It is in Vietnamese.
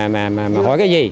mà hỏi cái gì